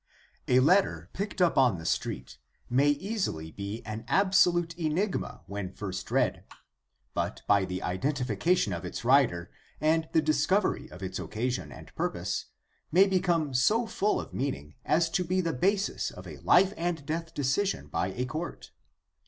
A letter, picked up on the street, may easily be an absolute enigma when first read, but by the identification of its writer and the discovery of its occasion and purpose may become so full of meaning as to be the basis of a life and death decision by a court.